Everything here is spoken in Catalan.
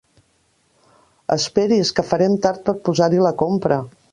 Esperi's que farem tard per posar-hi la compra.